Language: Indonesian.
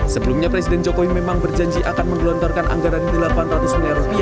sebelumnya presiden jokowi memang berjanji akan menggelontorkan anggaran rp delapan ratus miliar